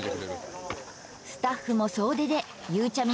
スタッフも総出でゆうちゃみ